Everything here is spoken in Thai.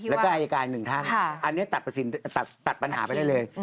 แล้วก็อายการหนึ่งท่านอันนี้ตัดปัญหาไปได้เลย